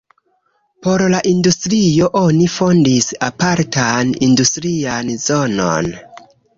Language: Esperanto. Por la industrio oni fondis apartan industrian zonon.